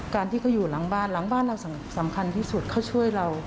การที่เขาอยู่หลังบ้านหลังบ้านเราสำคัญที่สุดเขาช่วยเรา